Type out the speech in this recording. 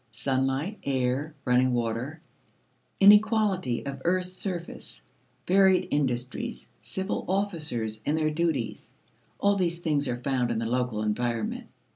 Sunlight, air, running water, inequality of earth's surface, varied industries, civil officers and their duties all these things are found in the local environment.